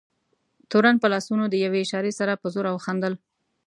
تورن په لاسونو د یوې اشارې سره په زوره وخندل.